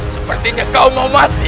sepertinya kau mau mati